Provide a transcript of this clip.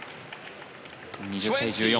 ２０対１４。